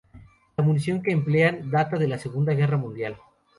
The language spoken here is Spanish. La munición que emplean data de la Segunda Guerra Mundial.